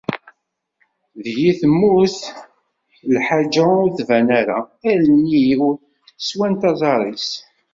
Deg-i temmut lḥaǧa ur tban ara, allen-iw swant aẓar-is.